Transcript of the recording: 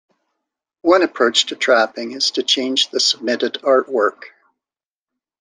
One approach to trapping is to change the submitted artwork.